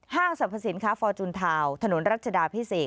สรรพสินค้าฟอร์จุนทาวน์ถนนรัชดาพิเศษ